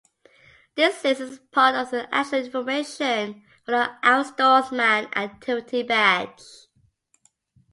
This list is part of the additional information for the Outdoorsman activity Badge.